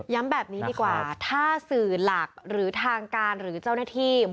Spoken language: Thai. แบบนี้ดีกว่าถ้าสื่อหลักหรือทางการหรือเจ้าหน้าที่